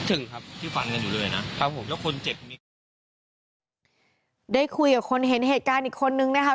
ถึงครับที่ฟันกันอยู่เลยนะครับผมแล้วคนเจ็บมีใครได้คุยกับคนเห็นเหตุการณ์อีกคนนึงนะคะ